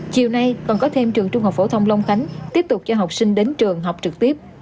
chiều nay còn có thêm trường trung học phổ thông long khánh tiếp tục cho học sinh đến trường học trực tiếp